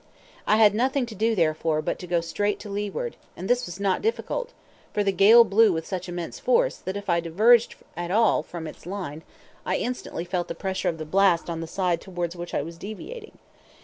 I had nothing to do therefore but to go straight to leeward; and this was not difficult, for the gale blew with such immense force, that if I diverged at all from its line I instantly felt the pressure of the blast on the side towards which I was deviating.